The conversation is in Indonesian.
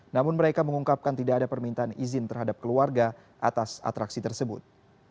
namun mereka mengungkapkan tidak ada permintaan izin terhadap keluarga atas atraksi tersebut